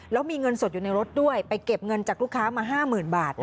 แล้วมีเงินสดอยู่ในรถด้วยไปเก็บเงินจากลูกค้ามา๕๐๐๐บาท